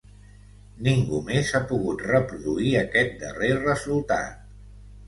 Ningú més ha pogut reproduir aquest darrer resultat.